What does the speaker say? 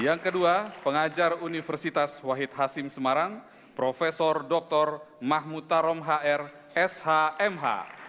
yang kedua pengajar universitas wahid hasim semarang prof dr mahmud tarom hr shmh